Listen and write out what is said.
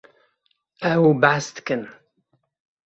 Ew behs dikin.